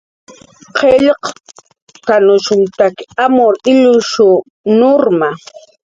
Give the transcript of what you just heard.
Qillqt'anushumtakiq amur illush nurma